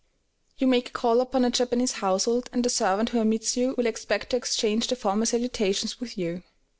You make a call upon a Japanese household, and the servant who admits you will expect to exchange the formal salutations with you.